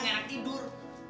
gak enak tidur